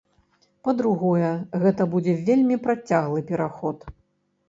Па-другое, гэта будзе вельмі працяглы пераход.